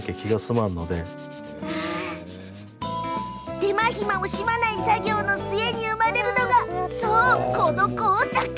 手間暇を惜しまない作業の末に生まれるのがこの光沢。